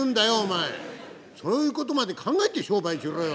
そういうことまで考えて商売しろよ！